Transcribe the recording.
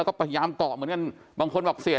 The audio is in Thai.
เอ้าเอ้าเอ้าเอ้าเอ้า